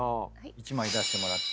１枚出してもらって。